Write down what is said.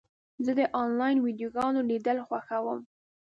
زه د انلاین ویډیوګانو لیدل خوښوم.